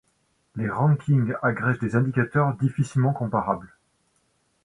Les rankings agrègent des indicateurs difficilement comparables.